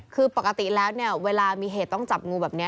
คือปกติแล้วเนี่ยเวลามีเหตุต้องจับงูแบบนี้